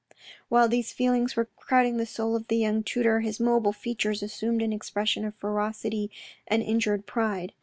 While these feelings were crowding the soul of the young tutor, his mobile features assumed an expression of ferocity and injured pride.